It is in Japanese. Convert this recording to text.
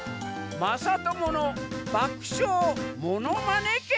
「まさとものばくしょうものまね券」？